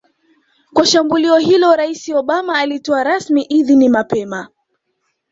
kwa shambulio hilo Rais Obama alitoa rasmi idhini mapema